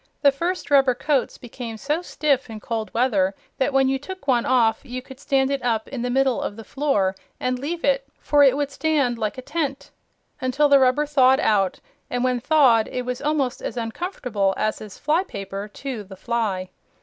The first rubber coats became so stiff in cold weather that when you took one off you could stand it up in the middle of the floor and leave it, for it would stand like a tent until the rubber thawed out, and when thawed it was almost as uncomfortable as is fly paper to the fly.